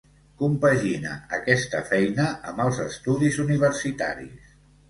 Compagina aquesta feina amb els estudis universitaris.